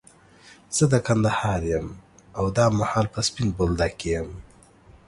زه د کندهار يم، او دا مهال په سپين بولدک کي يم.